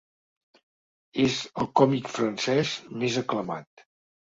És el còmic francès més aclamat.